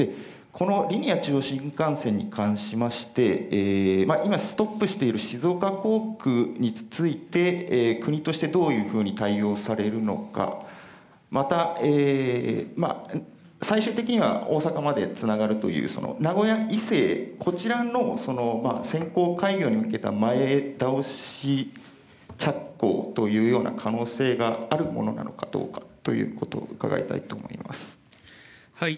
このリニア中央新幹線に関しまして、今、ストップしている静岡工区について、国としてどういうふうに対応されるのか、また、最終的には大阪までつながるという、名古屋以西、こちらの先行開業に向けた前倒し着工というような可能性があるものなのかどうかということを伺いたいと思います。